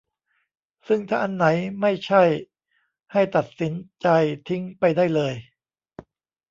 ซึ่งถ้าอันไหนไม่ใช่ให้ตัดสินใจทิ้งไปได้เลย